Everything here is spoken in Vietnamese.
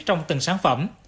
trong từng sản phẩm